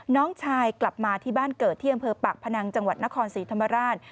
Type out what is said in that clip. น้องชายกลับมาที่บ้านเกิดที่อำเภอปากพนังจังหวัดนครศรีธรรมราช